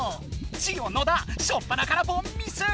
ジオ野田しょっぱなからぼんミス！